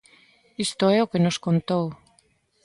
Isto é o que nos contou...